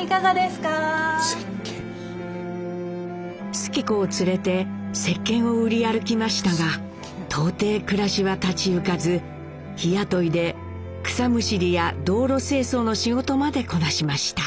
主基子を連れてせっけんを売り歩きましたが到底暮らしは立ち行かず日雇いで草むしりや道路清掃の仕事までこなしました。